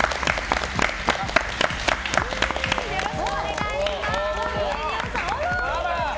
よろしくお願いします。